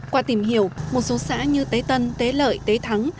qua tìm hiểu một số xã như tế tân tế lợi tế thắng